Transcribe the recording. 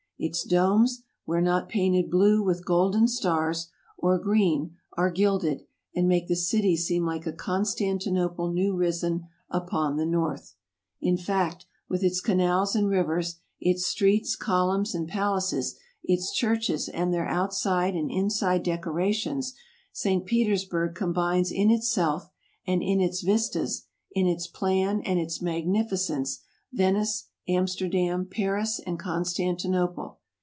Its domes, where not painted blue with golden stars, or green, are gilded, and make the city seem like a Constantinople new risen upon the North. In fact, with its canals and rivers, its streets, columns and palaces, its churches, and their out side and inside decorations, St. Petersburg combines in itself and in its vistas, in its plan and its magnificence, Venice, Amsterdam, Paris, and Constantinople.